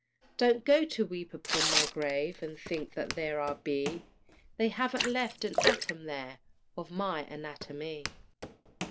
Don't go to weep upon my grave, And think that there I be; They haven't left an atom there Of my anatomie.